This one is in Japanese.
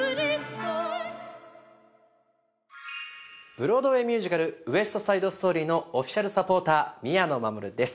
ブロードウェイ・ミュージカル「ウエスト・サイド・ストーリー」のオフィシャルサポーター宮野真守です